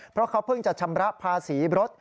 เพราะเขาเพิ่งจะชำระภาษีรถ